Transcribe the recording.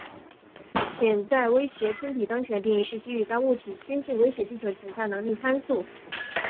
潜在威胁天体当前的定义是基于该物体接近威胁地球的潜在能力参数。